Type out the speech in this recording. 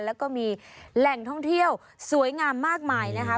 แล้วก็มีแหล่งท่องเที่ยวสวยงามมากมายนะคะ